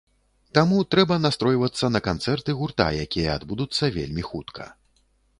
Таму трэба настройвацца на канцэрты гурта, якія адбудуцца вельмі хутка.